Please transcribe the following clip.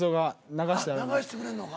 流してくれんのか。